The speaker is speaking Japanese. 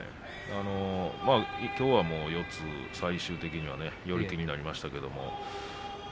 きょうは四つ相撲で最終的には寄り切りになりましたけどね。